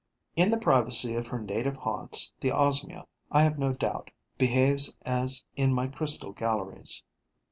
In the privacy of her native haunts, the Osmia, I have no doubt, behaves as in my crystal galleries.